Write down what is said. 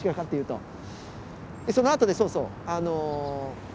そのあとでそうそう。